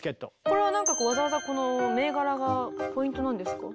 これはなんかわざわざこの銘柄がポイントなんですか？